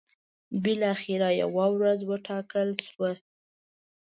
بالاخره یوه ورځ وټاکل شوه.